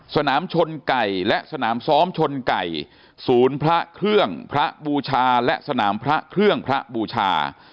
สนามชนไก่และสนามซ้อมชนไก่ศูนย์พระเครื่องพระบูชาและสนามพระเครื่องพระบูชา